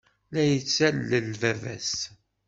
La yettalel baba-s.